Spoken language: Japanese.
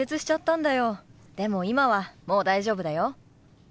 でも今はもう大丈夫だよ。